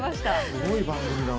すごい番組だな。